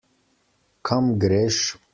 Kam greš?